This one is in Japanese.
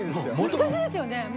難しいですよね。